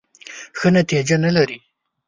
ښه نتیجه نه لري .